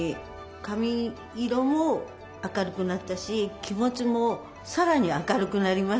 髪色も明るくなったし気持ちもさらに明るくなりましたね。